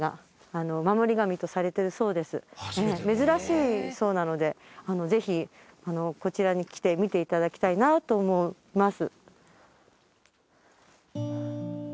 珍しいそうなのでぜひこちらに来て見て頂きたいなと思います。